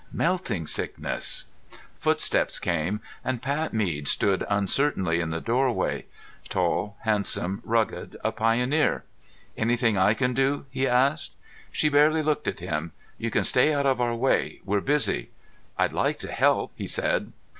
Melting Sickness.... Footsteps came and Pat Mead stood uncertainly in the doorway. Tall, handsome, rugged, a pioneer. "Anything I can do?" he asked. She barely looked at him. "You can stay out of our way. We're busy." "I'd like to help," he said.